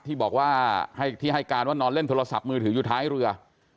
ที่บอกว่าที่ให้การว่านอนเล่นโทรศัพท์มือถืออยู่ท้ายเรือ